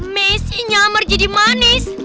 messi nyamar jadi manis